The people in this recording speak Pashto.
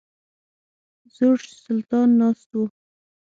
زوړ سلطان ناست وو.